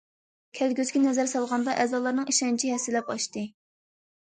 كەلگۈسىگە نەزەر سالغاندا، ئەزالارنىڭ ئىشەنچى ھەسسىلەپ ئاشتى.